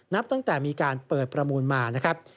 นับตั้งแต่มีการเปิดประมูลมานะครับ